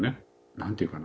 何て言うかな。